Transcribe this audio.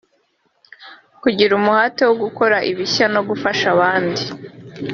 Kugira umuhate wo gukora ibishya no gufasha abandi